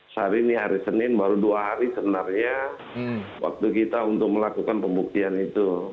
sehari ini hari senin baru dua hari sebenarnya waktu kita untuk melakukan pembuktian itu